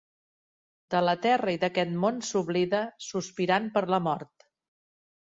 De la terra i d’aquest món s’oblida, sospirant per la mort.